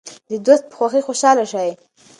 د دوست په خوښۍ خوشحاله شئ.